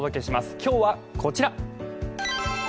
今日はこちら。